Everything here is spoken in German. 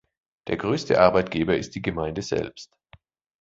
Der größte Arbeitgeber ist die Gemeinde selbst.